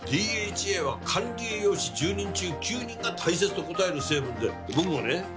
ＤＨＡは管理栄養士１０人中９人が大切と答える成分で僕もね